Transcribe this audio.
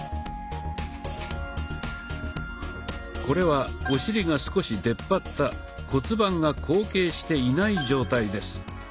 これはお尻が少し出っ張った骨盤が後傾していない状態です。